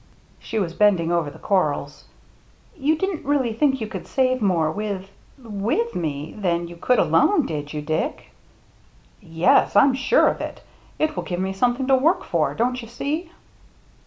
She was bending over the corals. "You didn't really think you could save more with — with me, than you could alone, did you, Dick?" "Yes, I'm sure of it. It will give me some thing to work for, don't you see